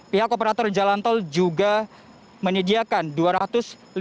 pihak operator jalan tol juga menyediakan dua ratus lima puluh